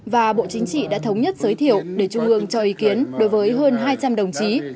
và bộ chính trị đã thống nhất giới thiệu để trung ương cho ý kiến đối với hơn hai trăm linh đồng chí